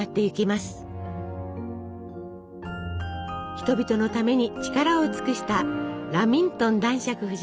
人々のために力を尽くしたラミントン男爵夫人。